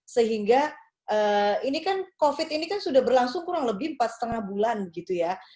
sehingga ini kan covid ini kan sudah berlangsung kurang lebih empat lima bulan gitu ya